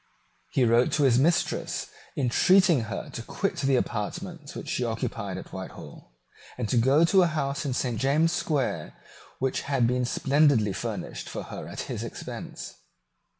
He wrote to his mistress entreating her to quit the apartments which she occupied at Whitehall, and to go to a house in Saint James's Square which had been splendidly furnished for her at his expense.